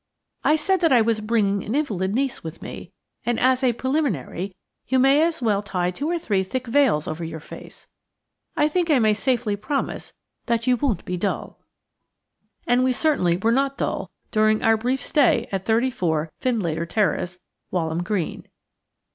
I said that I was bringing an invalid niece with me, and, as a preliminary, you may as well tie two or three thick veils over your face. I think I may safely promise that you won't be dull." And we certainly were not dull during our brief stay at 34, Findlater Terrace, Walham Green.